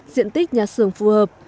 diện tích nhà xưởng phù hợp